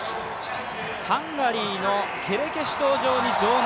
ハンガリーのケレケシュ登場に場内